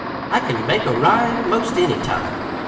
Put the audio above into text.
I can make a rhyme 'most any time.